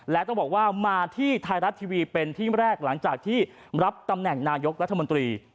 และต้องบอกว่ามาที่ไทยรัฐทีวีเป็นที่แรกหลังจากที่รับตำแหน่งนายกรัฐมนตรี